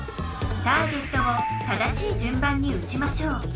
ターゲットを正しいじゅんばんにうちましょう。